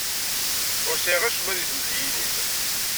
Ur sɛiɣ acemma deg temziyin-iw.